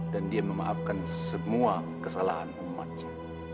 dan dia memaafkan semua kesalahan umatnya